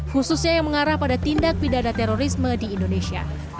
khususnya yang mengarah pada tindak pidana terorisme di indonesia